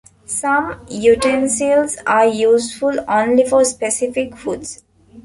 Some utensils are useful only for specific foods.